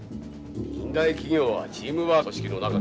近代企業はチームワークだよ。